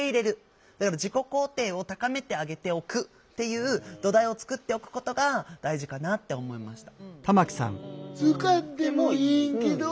だから自己肯定を高めてあげておくっていう土台を作っておくことが大事かなって思いました。